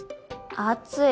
暑い。